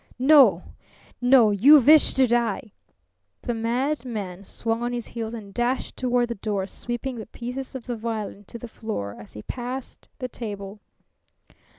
"No, no! You wish to die!" The madman swung on his heels and dashed toward the door, sweeping the pieces of the violin to the floor as he passed the table.